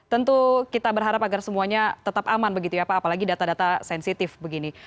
tentu kita berharap agar semuanya tetap aman begitu ya pak apalagi data data sensitif begini